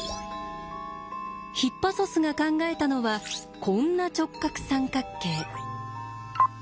ヒッパソスが考えたのはこんな直角三角形。